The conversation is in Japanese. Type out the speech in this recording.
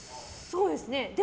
そうですね。